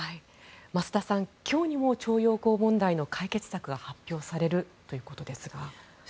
増田さん、今日にも徴用工問題の解決策が発表されるということですが。